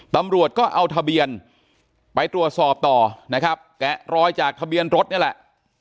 ตำรวจก็เอาทะเบียนไปตรวจสอบต่อนะครับแกะรอยจากทะเบียนรถนี่แหละ